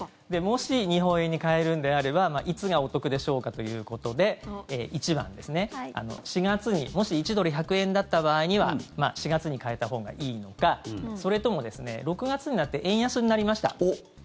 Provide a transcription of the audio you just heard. もし、日本円に替えるのであればいつがお得でしょうかということで１番ですね、４月にもし１ドル＝１００円だった場合には４月に替えたほうがいいのかそれとも６月になって円安になりました。